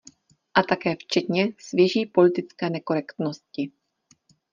A také včetně svěží politické nekorektnosti.